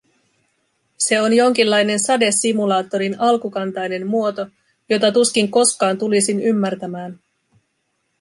Se on jonkinlainen sadesimulaattorin alkukantainen muoto, jota tuskin koskaan tulisin ymmärtämään.